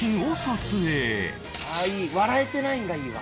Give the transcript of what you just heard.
笑えてないんがいいわ。